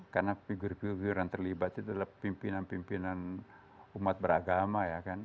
karena figur figur yang terlibat itu adalah pimpinan pimpinan umat beragama ya kan